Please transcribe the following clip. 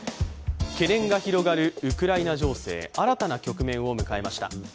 懸念が広がるウクライナ情勢、新たな局面を迎えました。